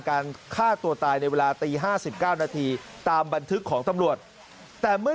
การฆ่าตัวตายในเวลาตี๕๙นาทีตามบันทึกของตำรวจแต่เมื่อ